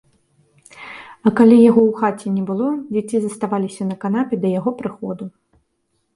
А калі яго ў хаце не было, дзеці заставаліся на канапе да яго прыходу.